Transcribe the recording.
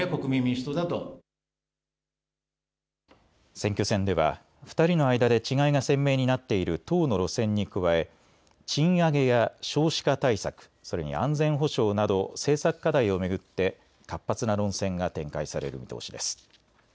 選挙戦では２人の間で違いが鮮明になっている党の路線に加え、賃上げや少子化対策、それに安全保障など政策課題を巡って活発な論戦が展開される見通しです。